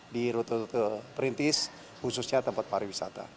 di rute rute perintis khususnya tempat pariwisata